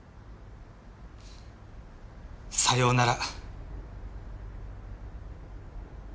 さようなら。